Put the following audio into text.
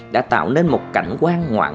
đã tạo nên một cảnh quang ngoạn